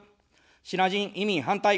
シナ人移民反対。